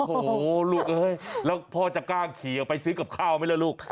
โอ้โหลูกเอ้ยแล้วพ่อจะกล้าขี่ออกไปซื้อกับข้าวไหมล่ะลูก